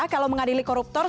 kalau mengadili koruptor